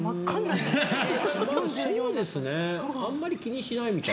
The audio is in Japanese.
あんまり気にしないみたいです。